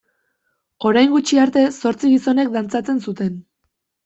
Orain gutxi arte zortzi gizonek dantzatzen zuten.